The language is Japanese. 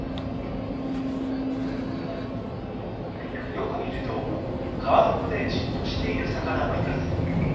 よく見ると川底でじっとしている魚もいます。